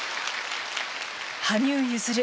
羽生結弦